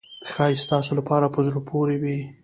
ښایي ستاسو لپاره په زړه پورې وي.